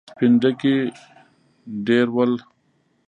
سپين ډکي ډېر ول.